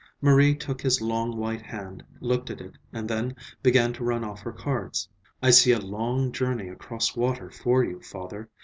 Marie took his long white hand, looked at it, and then began to run off her cards. "I see a long journey across water for you, Father.